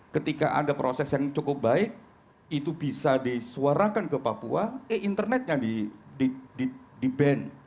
ketika ada proses yang cukup baik itu bisa disuarakan ke papua eh internetnya di ban